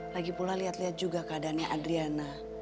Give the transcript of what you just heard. lagipula liat liat juga keadaannya adriana